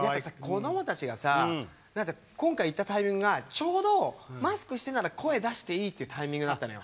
子どもたちが今回行ったタイミングがちょうどマスクしてたら声を出していいタイミングだったのよ。